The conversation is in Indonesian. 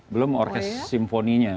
belum orkestrasi symphoninya